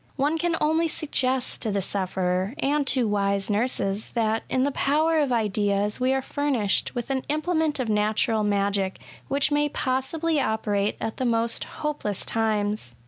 One can only suggest to the sufferer^ and to wise nurses, that in the power of ideas we are furnished with an implement of natural magic which may possibly operate at the most hopeless times.